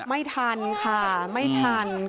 ไม่ทันค่ะไม่ทัน